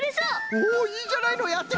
おいいじゃないのやってみよう！